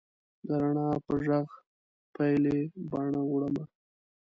د رڼا په ږغ پیلې باڼه وړمه